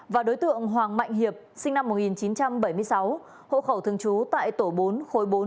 và đối tượng hoàng mạnh hiệp sinh năm một nghìn chín trăm bảy mươi sáu hộ khẩu thường trú tại tổ bốn khối bốn